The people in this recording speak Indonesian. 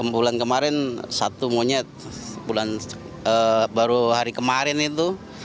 bulan kemarin satu monyet baru hari kemarin itu